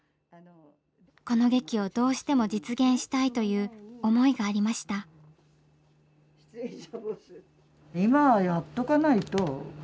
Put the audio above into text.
この劇を「どうしても実現したい」という思いがありました。と思ってるんです。